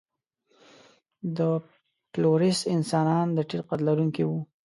د فلورېس انسانان د ټیټ قد لرونکي وو.